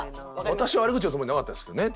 私悪口のつもりなかったですけどね